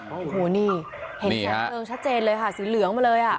โอ้โหนี่เห็นแสงเพลิงชัดเจนเลยค่ะสีเหลืองมาเลยอ่ะ